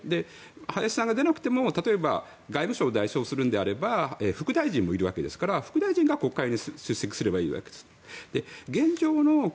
林さんが出なくても外務省を代表するのであれば副大臣もいるわけですから副大臣が国会に出ればいいわけです。